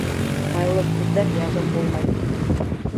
Майлы күҙҙә яғым булмай.